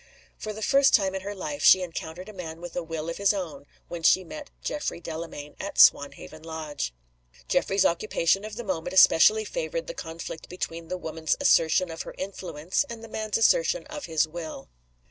For the first time in her life she encountered a man with a will of his own when she met Geoffrey Delamayn at Swanhaven Lodge. Geoffrey's occupation of the moment especially favored the conflict between the woman's assertion of her influence and the man's assertion of his will.